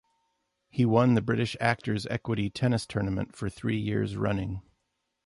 He won the British Actors Equity Tennis Tournament for three years running.